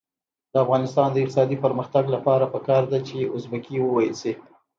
د افغانستان د اقتصادي پرمختګ لپاره پکار ده چې ازبکي وویل شي.